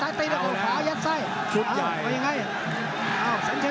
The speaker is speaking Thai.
ตีลูกมาซ้ายตีลูกเอาขวายัดไส้